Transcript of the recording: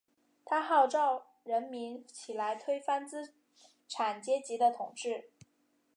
他号召人民起来推翻资产阶级的统治。